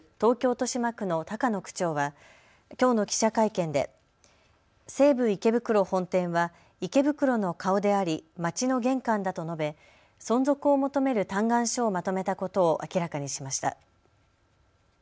豊島区の高野区長はきょうの記者会見で西武池袋本店は池袋の顔でありまちの玄関だと述べ存続を求める嘆願書をまとめたことを明らかにしました。